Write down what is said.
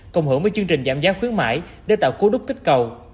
cùng hưởng với chương trình giảm giá khuyến mại để tạo cố đúc kích cầu